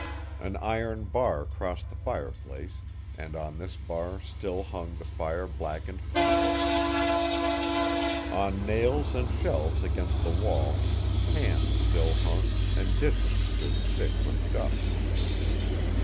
An iron bar crossed the fireplace and on this bar still hung the fire blackened pothooks. On nails and shelves against the wall pans still hung and dishes stood thick with dust.